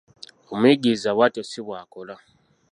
Omuyigiriza bw'atyo ssi bw'akola.